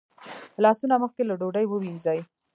لاسونه مخکې له ډوډۍ ووینځئ